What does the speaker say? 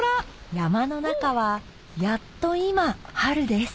山の中はやっと今春です